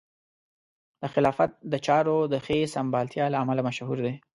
د خلافت د چارو د ښې سمبالتیا له امله مشهور دی.